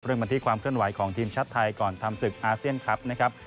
มาที่ความเคลื่อนไหวของทีมชาติไทยก่อนทำศึกอาเซียนคลับนะครับ